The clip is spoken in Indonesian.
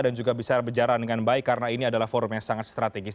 dan juga bisa berjalan dengan baik karena ini adalah forum yang sangat strategis